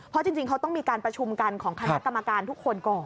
เพราะจริงเขาต้องมีการประชุมกันของคณะกรรมการทุกคนก่อน